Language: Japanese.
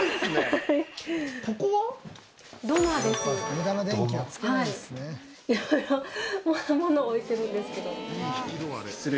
色々物を置いてるんですけど。